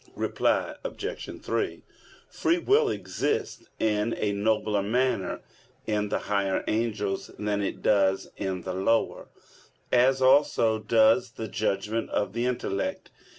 Reply Obj. 3: Free will exists in a nobler manner in the higher angels than it does in the lower, as also does the judgment of the intellect.